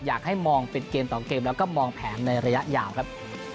อยากให้มองเป็นเกมต่อเกมแล้วก็มองแผนในระยะยาวครับ